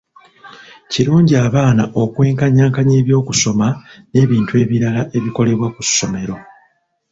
Kirungi abaana okwenkanyankanya eby'okusoma n'ebintu ebirala ebikolebwa ku ssomero.